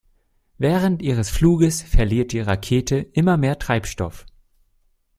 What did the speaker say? Während ihres Fluges verliert die Rakete immer mehr Treibstoff.